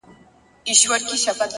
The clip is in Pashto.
هره هڅه د داخلي ودې برخه ده,